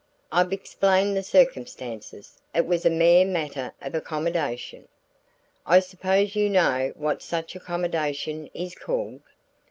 "I've explained the circumstances; it was a mere matter of accommodation." "I suppose you know what such accommodation is called?"